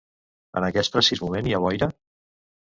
En aquest precís moment hi ha boira?